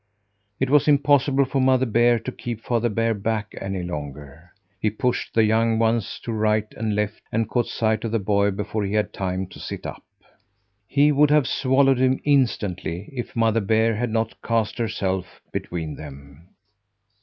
It was impossible for Mother Bear to keep Father Bear back any longer. He pushed the young ones to right and left and caught sight of the boy before he had time to sit up. He would have swallowed him instantly if Mother Bear had not cast herself between them.